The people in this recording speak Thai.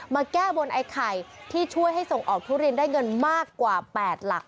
แก้บนไอ้ไข่ที่ช่วยให้ส่งออกทุเรียนได้เงินมากกว่า๘หลัก